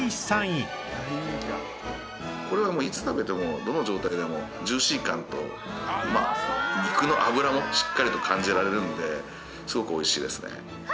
これはもういつ食べてもどの状態でもジューシー感と肉の脂もしっかりと感じられるんですごく美味しいですね。